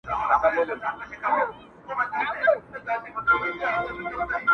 هره شـــېــبه او هــر گـــړى مي پــــه يــــــاد.